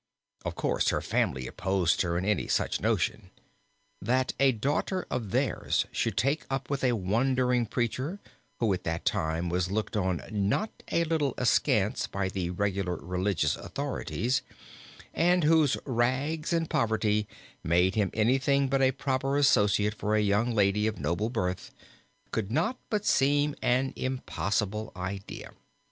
Of course her family opposed her in any such notion. That a daughter of theirs should take up with a wandering preacher, who at that time was looked on not a little askance by the regular religious authorities, and whose rags, and poverty made him anything but a proper associate for a young lady of noble birth, could not but seem an impossible idea.